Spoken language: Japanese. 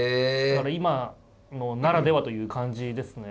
だから今のならではという感じですね。